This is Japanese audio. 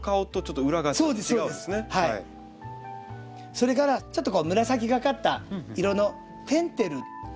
それからちょっと紫がかった色のテンテル。